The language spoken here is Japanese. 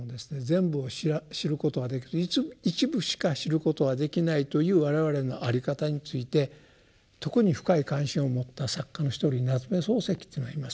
全部を知ることは一部しか知ることはできないという我々のあり方について特に深い関心を持った作家の一人に夏目漱石というのがいますよ。